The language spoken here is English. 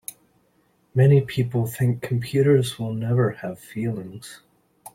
Many people think computers will never have feelings.